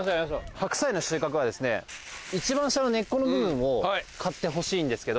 白菜の収穫は一番下の根っこの部分を刈ってほしいんですけど。